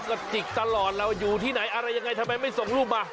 ก็จิกตลอดแล้วอยู่ที่ไหนอะไรยังไงทำไมไม่ส่งรูปมา